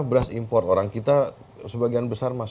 beras import orang kita sebagian besar